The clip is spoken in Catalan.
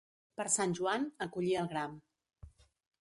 Per Sant Joan, a collir el gram.